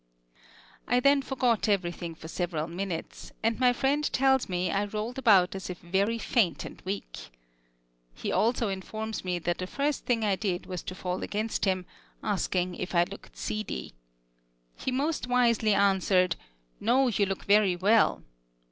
I then forgot everything for several minutes, and my friend tells me I rolled about as if very faint and weak. He also informs me that the first thing I did was to fall against him, asking if I looked seedy. He most wisely answered, "No, you look very well."